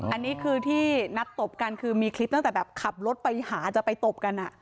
อันนี้คือที่นัดตบกันคือมีคลิปตั้งแต่แบบขับรถไปหาจะไปตบกัน